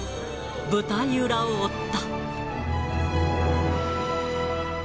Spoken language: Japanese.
舞台裏を追った。